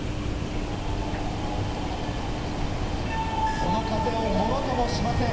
この風をものともしません。